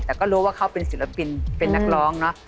แต่ก็รู้ว่าเขาเป็นศิลปินเป็นนักร้องเนอะ